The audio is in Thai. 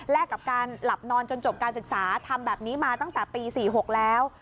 กับการหลับนอนจนจบการศึกษาทำแบบนี้มาตั้งแต่ปี๔๖แล้ว